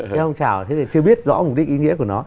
theo phong trào chưa biết rõ mục đích ý nghĩa của nó